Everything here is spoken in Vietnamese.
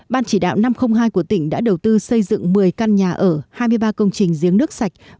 ban chỉ đạo năm trăm linh hai của tỉnh đã đầu tư xây dựng một mươi căn nhà ở hai mươi ba công trình giếng nước sạch